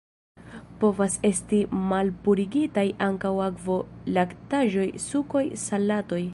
Povas esti malpurigitaj ankaŭ akvo, laktaĵoj, sukoj, salatoj.